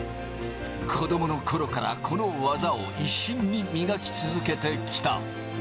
子供の頃からこの技を一心に磨き続けてきた。